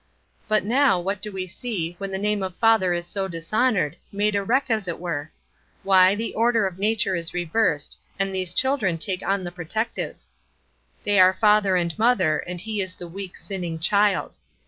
But now, what do we see, when the name of father is so dishonored, made a wreck, as it were? Why, the order of nature is reversed, and these children take on the protective. They are father and mother, and he is the weak, sinning child.